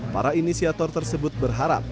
para inisiator tersebut berharap